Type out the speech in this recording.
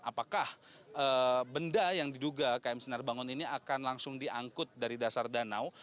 apakah benda yang diduga km sinar bangun ini akan langsung diangkut dari dasar danau